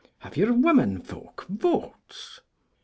Have your women folk votes?